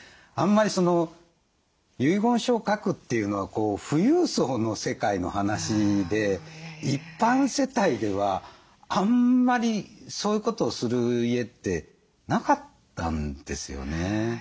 あんまり遺言書を書くっていうのは富裕層の世界の話で一般世帯ではあんまりそういうことをする家ってなかったんですよね。